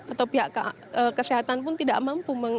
atau pihak kesehatan pun tidak mampu